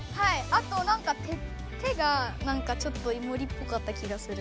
あとなんか手がなんかちょっとイモリっぽかった気がする。